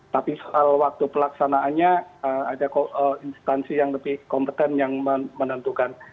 tapi soal waktu pelaksanaannya ada instansi yang lebih kompeten yang menentukan